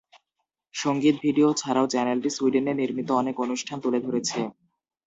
সঙ্গীত ভিডিও ছাড়াও চ্যানেলটি সুইডেনে নির্মিত অনেক অনুষ্ঠান তুলে ধরেছে।